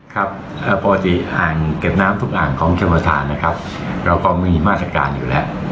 ครับปกติอ่างเก็บน้ำทุกอ่างของชมประธานนะครับเราก็มีมาตรการอยู่แล้ว